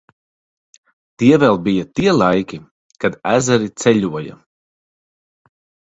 Tie vēl bija tie laiki, kad ezeri ceļoja.